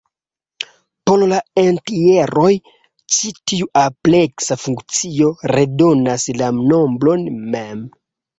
Por la entjeroj, ĉi tiu ampleksa funkcio redonas la nombron mem.